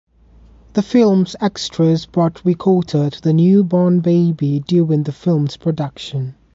The films extras brought riccota to the newborn baby during the films production.